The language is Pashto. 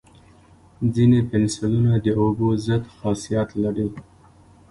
ځینې پنسلونه د اوبو ضد خاصیت لري.